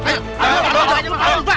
jangan mungkin itu empat